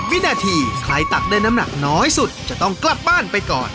วินาทีใครตักได้น้ำหนักน้อยสุดจะต้องกลับบ้านไปก่อน